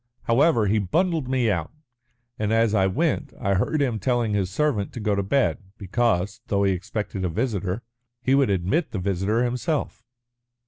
However, he bundled me out, and as I went I heard him telling his servant to go to bed, because, though he expected a visitor, he would admit the visitor himself."